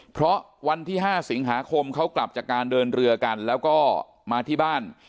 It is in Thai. เพราะวันที่๕สิงหาคมเขากลับจากการเดินเรือกันแล้วก็มาที่บ้าน